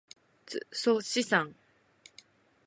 っそしっさん。